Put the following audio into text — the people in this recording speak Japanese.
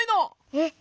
えっ？